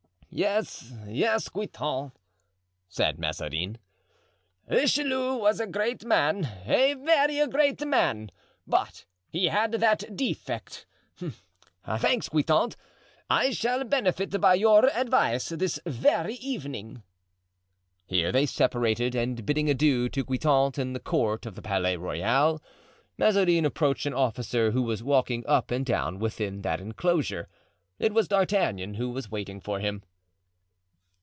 "Yes, yes, Guitant," said Mazarin; "Richelieu was a great man, a very great man, but he had that defect. Thanks, Guitant; I shall benefit by your advice this very evening." Here they separated and bidding adieu to Guitant in the court of the Palais Royal, Mazarin approached an officer who was walking up and down within that inclosure. It was D'Artagnan, who was waiting for him.